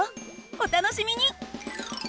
お楽しみに！